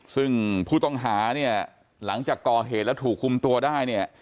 ซึ่งผู้ต้องหาเนี่ยหลังจากก่อเหตุแล้วถูกคุมตัวได้เนี่ย